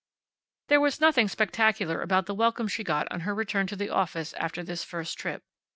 There was nothing spectacular about the welcome she got on her return to the office after this first trip.